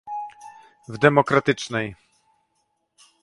W Demokratycznej